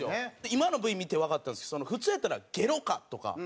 今のＶ見てわかったんですけど普通やったら「ゲロか！」とか。